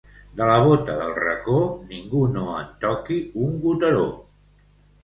De la bota del racó ningú no en toqui un goteró.